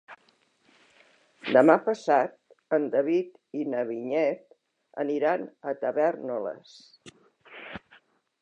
Demà passat en David i na Vinyet aniran a Tavèrnoles.